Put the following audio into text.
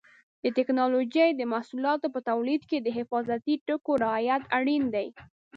د ټېکنالوجۍ د محصولاتو په تولید کې د حفاظتي ټکو رعایت اړین دی.